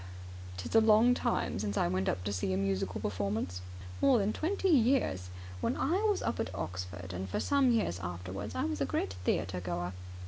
"It's a long time since I went to see a musical performance. More than twenty years. When I was up at Oxford, and for some years afterwards, I was a great theatre goer.